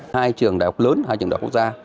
hai trường đại học lớn hai trường đại học quốc gia